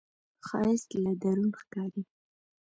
ښایست له درون ښکاري